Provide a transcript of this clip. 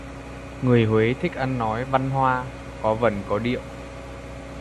Người Huế thích ăn nói văn hoa, có vần có điệu